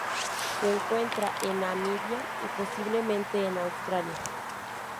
Se encuentra en Namibia y posiblemente en Australia.